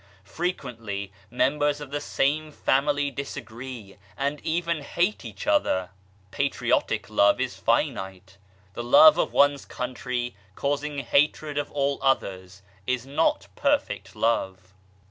Frequently members of the same family disagree, and even hate each other. Patriotic Love is finite ; the love of one's country causing hatred of all others, is not perfect love